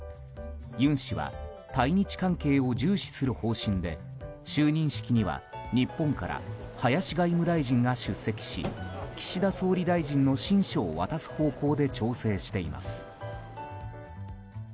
尹氏は対日関係を重視する方針で就任式には日本から林外務大臣が出席し岸田総理大臣の親書を渡す方向で調整しています。